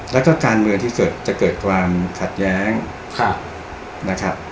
แล้วก็การเมืองที่จะเกิดความขัดแย้งนะครับ